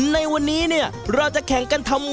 ในวันนี้เนี่ยเราจะแข่งกันทำ